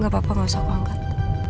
gapapa gausah aku angkat